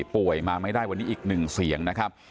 ป่วยมาไม่ได้วันนี้อีกหนึ่งเสียงนะครับ